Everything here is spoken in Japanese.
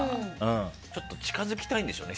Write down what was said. ちょっと近づきたいんでしょうね。